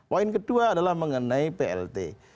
poin kedua adalah mengenai plt